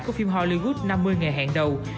của phim hollywood năm mươi ngày hẹn đầu